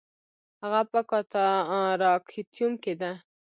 هغه په کاتاراکتیوم کې ده